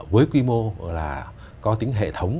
với quy mô là có tính hệ thống